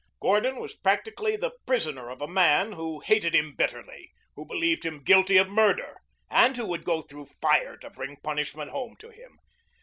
Gordon was practically the prisoner of a man who hated him bitterly, who believed him guilty of murder, and who would go through fire to bring punishment home to him.